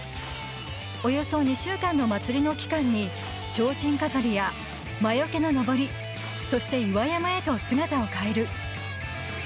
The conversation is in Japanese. およそ２週間のまつりの期間にちょうちん飾りや魔よけののぼりそして岩山へと姿を変える